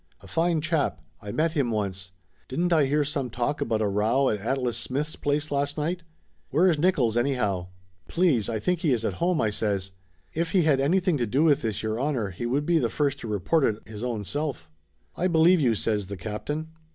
"A fine chap I met him once. Didn't I hear some talk about a row at Atlas Smith's place last night ? Where is Nickolls, anyhow ?" "Please, I think he is at home," I says. "If he had anything to do with this, Your Honor, he would be the first to report it his own self !" "I believe you!" says the captain.